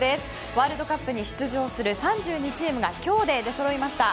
ワールドカップに出場する３２チームが今日で出そろいました。